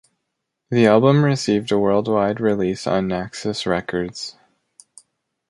The album received a worldwide release on Naxos Records.